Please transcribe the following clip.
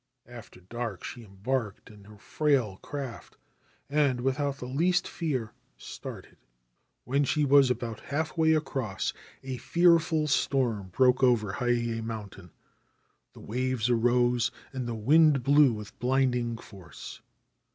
After dark she embarked in her frail craft, and without the least fear started. * When she was about half way across a fearful storm broke over Hiyei Mountain. The waves arose, and the wind blew with blinding force.